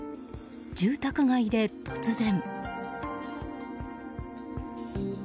住宅街で、突然。